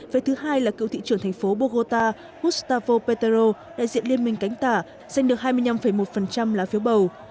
phiếu thứ hai là cựu thị trưởng thành phố bogota gustavo petro đại diện liên minh cánh tả giành được hai mươi năm một là phiếu bầu